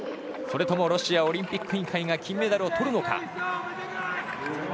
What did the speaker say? それともロシアオリンピック委員会が金メダルをとるのか。